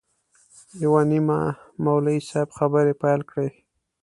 یو نیمه مولوي صاحب خبرې پیل کړې.